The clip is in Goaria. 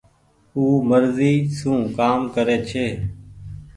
او مرزي سون ڪآم ڪري ڇي۔